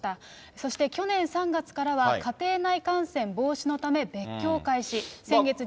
そして去年３月からは、家庭内感染防止のため、別居を開始。